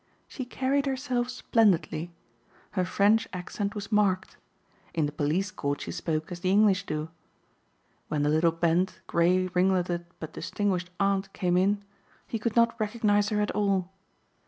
She carried herself splendidly. Her French accent was marked. In the police court she spoke as the English do. When the little bent, gray ringletted but distinguished aunt came in, he could not recognize her at all.